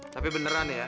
tapi beneran ya